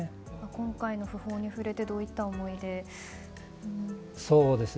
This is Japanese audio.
今回の訃報に触れてどういった思いで。